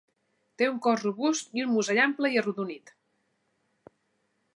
Té un cos robust i un musell ample i arrodonit.